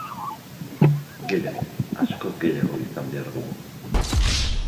Gehiago, askoz gehiago izan behar dugu.